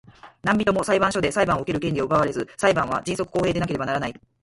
何人（なんびと）も裁判所で裁判を受ける権利を奪われず、裁判は迅速公平でなければならない。